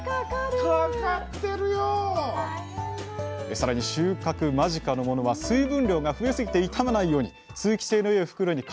さらに収穫間近のものは水分量が増えすぎて傷まないように通気性の良い袋に掛け替えたりと調整を繰り返します